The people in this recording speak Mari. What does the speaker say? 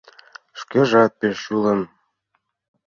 Шкежат пеш чулым.